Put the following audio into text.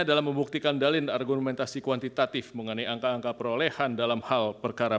dalam membuktikan dalil argumentasi kuantitatif mengenai angka angka perolehan dalam hal perkara